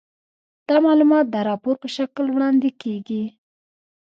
دا معلومات د راپور په شکل وړاندې کیږي.